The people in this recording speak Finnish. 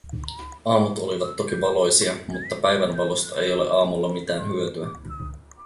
Aamut olivat toki valoisia, mutta päivänvalosta ei ole aamulla mitään hyötyä.